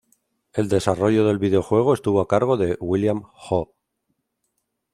El desarrollo del videojuego estuvo a cargo de William Ho.